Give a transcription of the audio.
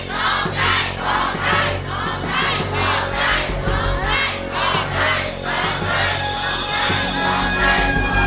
ห้องใจฟังใจห้องใจห้องใจ